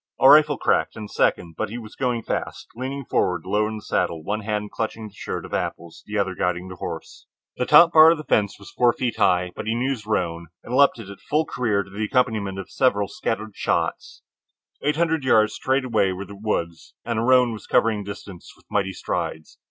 A rifle cracked, and a second, but he was going fast, leaning forward, low in the saddle, one hand clutching the shirt of apples, the other guiding the horse. The top bar of the fence was four feet high, but he knew his roan and leaped it at full career to the accompaniment of several scattered shots. Eight hundred yards straight away were the woods, and the roan was covering the distance with mighty strides.